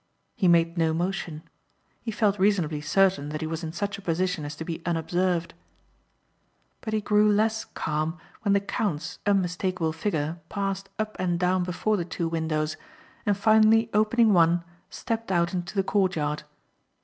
He made no motion. He felt reasonably certain that he was in such a position as to be unobserved. But he grew less calm when the count's unmistakable figure passed up and down before the two windows and finally opening one stepped out into the courtyard.